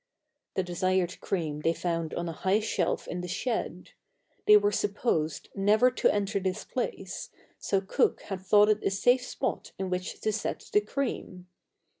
The desired cream they found on a high shelf in the shed. They were supposed never to enter this place, so Cook had thought it a safe spot in which to set the cream.